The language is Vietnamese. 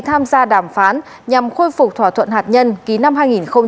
tham gia đàm phán nhằm khôi phục thỏa thuận hạt nhân ký năm hai nghìn một mươi năm